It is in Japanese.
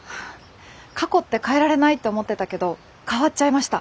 過去って変えられないって思ってたけど変わっちゃいました。